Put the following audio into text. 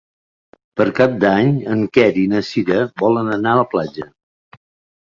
Per Cap d'Any en Quer i na Cira volen anar a la platja.